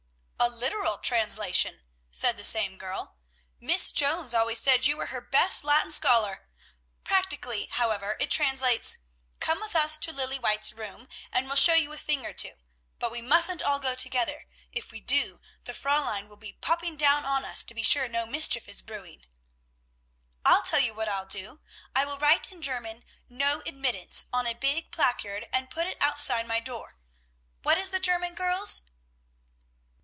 "A literal translation," said the same girl. "Miss Jones always said you were her best Latin scholar. Practically, however, it translates, "Come with us to Lilly White's room, and we'll show you a thing or two. But we mustn't all go together. If we do, the Fräulein will be popping down on us to be sure no mischief is brewing." "I'll tell you what I will do; I will write in German 'No Admittance' on a big placard, and put it outside my door. What is the German, girls?"